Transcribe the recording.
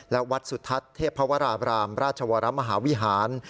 และวัดสุทัศน์เทพวราบรามราชวรมหาวิหาร